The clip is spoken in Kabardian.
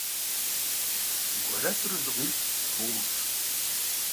Гуэрэфыр узыгъуибл поув.